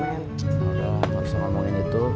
udah nggak usah ngomongin itu